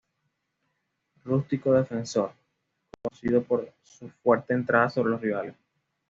Rústico defensor, conocido por su fuerte entrada sobre los rivales.